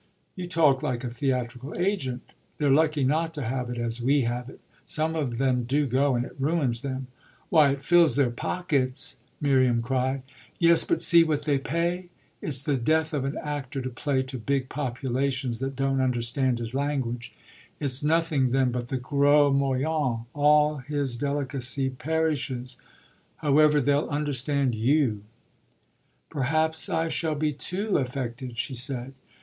"You talk like a theatrical agent. They're lucky not to have it as we have it. Some of them do go, and it ruins them." "Why, it fills their pockets!" Miriam cried. "Yes, but see what they pay. It's the death of an actor to play to big populations that don't understand his language. It's nothing then but the gros moyens; all his delicacy perishes. However, they'll understand you." "Perhaps I shall be too affected," she said.